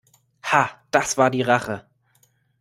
Ha, das war die Rache!